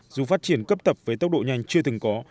dù phát triển cấp tập với tốc độ nhanh chưa từng có